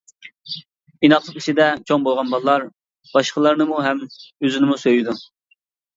ئىناقلىق ئىچىدە چوڭ بولغان بالىلار، باشقىلارنىمۇ ھەم ئۆزىنىمۇ سۆيىدۇ.